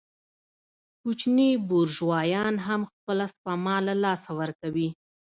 کوچني بورژوایان هم خپله سپما له لاسه ورکوي